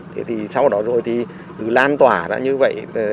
thế thì sau đó rồi thì cứ lan tỏa ra như vậy